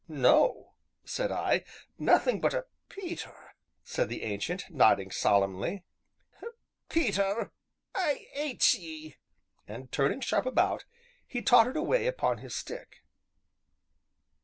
"No," said I, "nothing but a " "Peter!" said the Ancient, nodding solemnly, "Peter, I 'ates ye!" and, turning sharp about, he tottered away upon his stick.